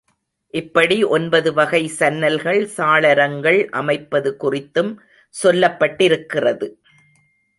இப்படி ஒன்பது வகை சன்னல்கள் சாளரங்கள் அமைப்பது குறித்தும் சொல்லப்பட்டிருக்கிறது.